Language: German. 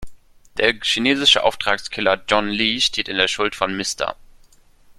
Der chinesische Auftragskiller John Lee steht in der Schuld von Mr.